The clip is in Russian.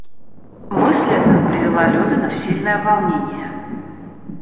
Мысль эта привела Левина в сильное волнение.